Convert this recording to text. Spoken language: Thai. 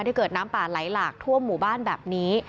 ที่เกิดน้ำป่าไหลหลากท่วมหมู่บ้านแบบนี้